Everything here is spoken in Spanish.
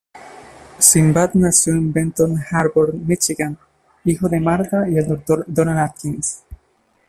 Sinbad nació en Benton Harbor, Michigan, hijo de Martha y el Dr. Donald Adkins.